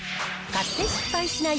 買って失敗しない！